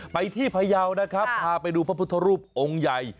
ไปที่พยาวนะครับพาไปดูพระพุทธรูปองค์ใหญ่